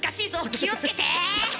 気をつけて！